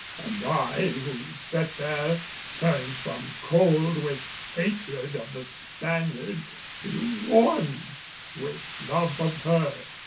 And I, who sat there, turned from cold with hatred of the Spaniard, to warm with love of her.